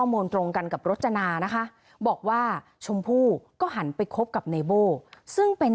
โมงตรงกันกับรจนานะคะบอกว่าชมพู่ก็หันไปคบกับไนโบ้ซึ่งเป็น